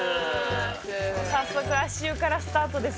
早速足湯からスタートです。